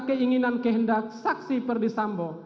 keinginan kehendak saksi perdisambo